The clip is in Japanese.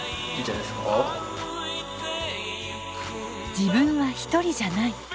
自分は一人じゃない。